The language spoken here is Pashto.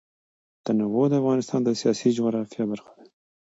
تنوع د افغانستان د سیاسي جغرافیه برخه ده.